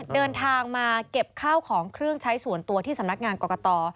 เดินทางมาเก็บข้าวของเครื่องใช้ส่วนตัวที่สำนักงานกรกต